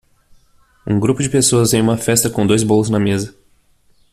Um grupo de pessoas em uma festa com dois bolos na mesa.